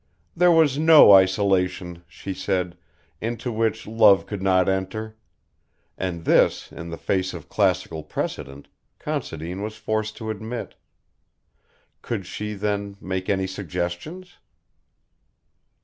There was no isolation, she said, into which love could not enter; and this, in the face of classical precedent, Considine was forced to admit. Could she, then, make any suggestions?